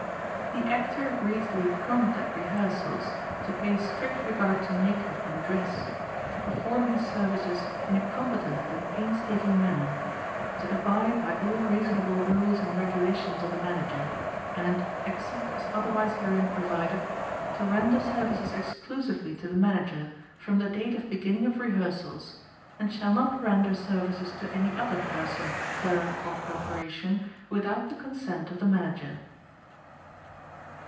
The Actor agrees to be prompt at rehearsals, to pay strict regard to makeup and dress, to perform his services in a competent and painstaking manner, to abide by all reasonable rules and regulations of the Manager, and, except as otherwise herein provided, to render services exclusively to the Manager from the date of beginning of rehearsals, and shall not render services to any other person, firm or corporation without the consent of the Manager.